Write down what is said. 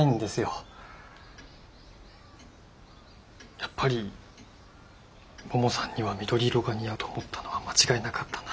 やっぱりももさんには緑色が似合うと思ったのは間違いなかったな。